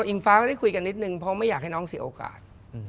อิงฟ้าไม่ได้คุยกันนิดนึงเพราะไม่อยากให้น้องเสียโอกาส